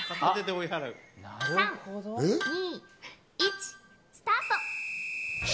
３、２、１、スタート！